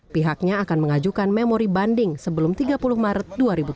pihaknya akan mengajukan memori banding sebelum tiga puluh maret dua ribu tujuh belas